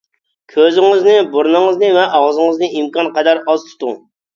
كۆزىڭىزنى ، بۇرنىڭىزنى ۋە ئاغزىڭىزنى ئىمكانقەدەر ئاز تۇتۇڭ.